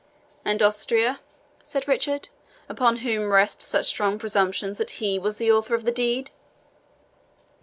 "And Austria," said Richard, "upon whom rest such strong presumptions that he was the author of the deed?"